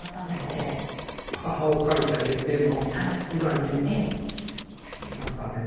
あの母を描いた絵の裏になんかね